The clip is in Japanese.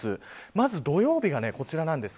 まず土曜日がこちらです。